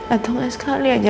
atau enggak sekali aja